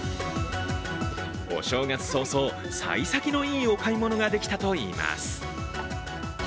お正月早々、さい先のいいお買い物ができたといいます。